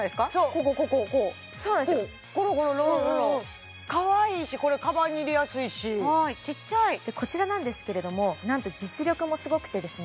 こここここうこうゴロゴロかわいいしこれかばんに入れやすいしちっちゃいこちらなんですけれども何と実力もすごくてですね